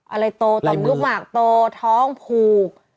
อะไรโตต่อมลูกหมากโตท้องผูก